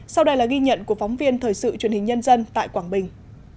sau đây là ghi nhận của phóng viên thời sự truyền hình nhân dân tại quảng bình